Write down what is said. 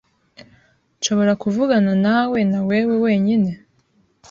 Nshobora kuvuganawe nawewe wenyine, ?